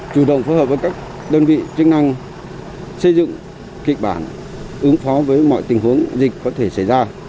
chủ động phối hợp với các đơn vị chức năng xây dựng kịch bản ứng phó với mọi tình huống dịch có thể xảy ra